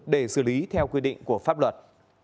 để xử lý theo quy định của pháp luật